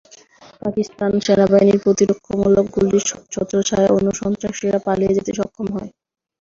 পাকিস্তান সেনাবাহিনীর প্রতিরক্ষামূলক গুলির ছত্রচ্ছায়ায় অন্য সন্ত্রাসীরা পালিয়ে যেতে সক্ষম হয়।